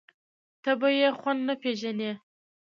ته به يې خود نه پېژنې.